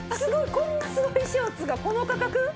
こんなすごいショーツがこの価格？